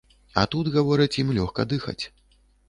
А тут, гавораць, ім лёгка дыхаць.